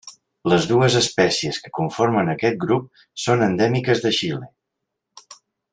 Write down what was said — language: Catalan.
Les dues espècies que conformen aquest grup són endèmiques de Xile.